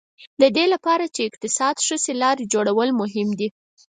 د دې لپاره چې اقتصاد ښه شي لارې جوړول مهم دي.